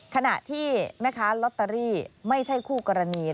ขณะที่ล็อตเตอรี่ไม่ใช่คู่กรณี